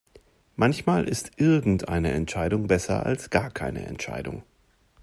Manchmal ist irgendeine Entscheidung besser als gar keine Entscheidung.